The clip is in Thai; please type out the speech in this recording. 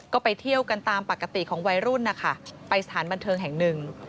ก็ไปเที่ยวกันตามปกติของวัยรุ่นนะคะไปสถานบันเทิงแห่งหนึ่ง